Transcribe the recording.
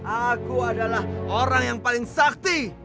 aku adalah orang yang paling sakti